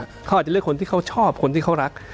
เขาอาจจะเลือกคนที่เขาชอบคนที่เขารัก